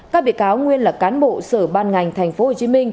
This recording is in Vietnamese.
các bị cáo nguyên là cán bộ sở ban ngành tp hcm